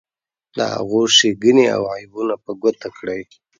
د هغو ښیګڼې او عیبونه په ګوته کړئ.